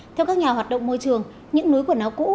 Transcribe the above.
theo các nhà hoạt động môi trường những núi quần áo cũ